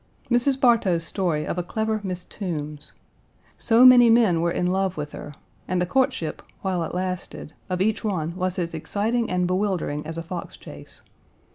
Mrs. Bartow's story of a clever Miss Toombs. So many men were in love with her, and the courtship, while it lasted, of each one was as exciting and bewildering as a fox chase.